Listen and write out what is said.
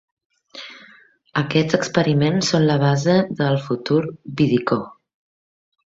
Aquests experiments són la base de el futur vidicó.